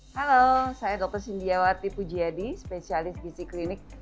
halo saya dr sindiawati pujiadi spesialis gizi klinik